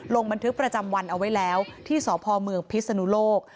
ลงบันทึกประจำวันเอาไว้แล้วที่สพเมืองพิศนุโลก